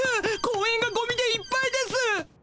公園がゴミでいっぱいです。